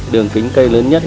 đường kính cây lớn nhất